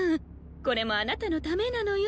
これもあなたのためなのよ。